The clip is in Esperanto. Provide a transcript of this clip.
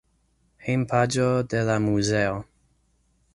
Hejmpaĝo de la muzeo.